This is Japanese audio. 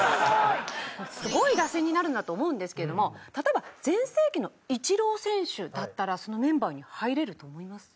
すごい打線になるなと思うんですけども例えば全盛期のイチロー選手だったらそのメンバーに入れると思います？